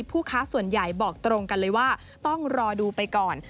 ผู้ค้าส่วนใหญ่บอกตรงกันเลยว่าต้องรอดูไปก่อน